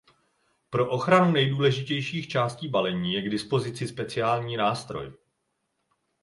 Pro ochranu nejdůležitějších částí balení je k dispozici speciální nástroj.